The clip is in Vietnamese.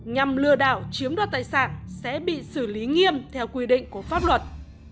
nhằm lừa đảo chiếm đoạt tài sản sẽ bị xử lý nghiêm theo quy định của pháp luật